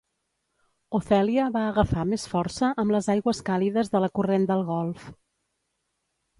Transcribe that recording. Ophelia va agafar més força amb les aigües càlides de la corrent del golf.